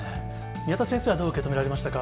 宮田先生はどう受け止められましたか？